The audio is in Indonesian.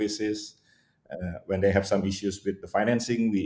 ketika mereka memiliki masalah dengan pengembangan